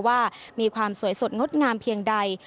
ว่ามีความสวยสดงดงามเพียงใด